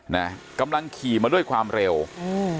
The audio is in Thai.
น่ะกำลังขี่มาด้วยความเร็วอืม